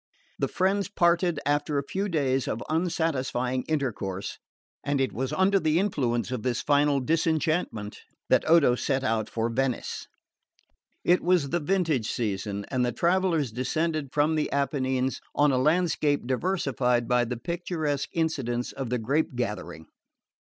The friends parted after a few days of unsatisfying intercourse; and it was under the influence of this final disenchantment that Odo set out for Venice. It was the vintage season, and the travellers descended from the Apennines on a landscape diversified by the picturesque incidents of the grape gathering.